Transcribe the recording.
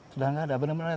sudah gak ada bener bener